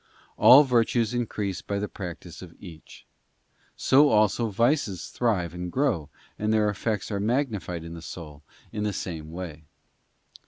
All virtues The foree of increase by the practice of each; so also vices thrive and grow, and their effects are magnified in the soul in the same way.